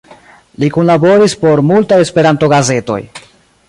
Li kunlaboris por multaj Esperanto-gazetoj.